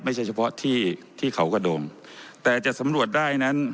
เฉพาะที่ที่เขากระโดงแต่จะสำรวจได้นั้น